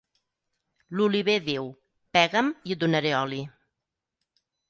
L'oliver diu: —Pega'm i et donaré oli.